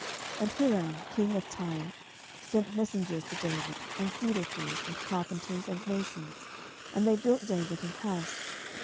10:005:011 And Hiram king of Tyre sent messengers to David, and cedar trees, and carpenters, and masons: and they built David an house.